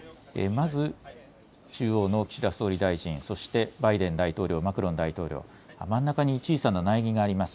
まず、中央の岸田総理大臣、そしてバイデン大統領、マクロン大統領、真ん中に小さな苗木があります。